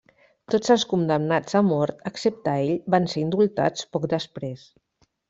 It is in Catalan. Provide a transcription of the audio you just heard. Tots els condemnats a mort, excepte ell, van ser indultats poc després.